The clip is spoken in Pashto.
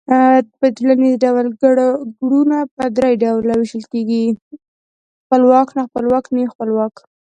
په ټوليز ډول گړونه په درې ډلو وېشل کېږي، خپلواک، ناخپلواک، نیم خپلواک